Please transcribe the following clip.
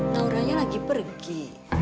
naura nya lagi pergi